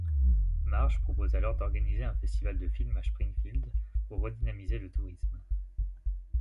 Marge propose alors d'organiser un festival de film à Springfield pour redynamiser le tourisme.